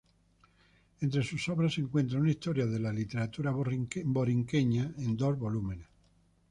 Entre sus obras se encontró una "Historia de la literatura puertorriqueña" en dos volúmenes.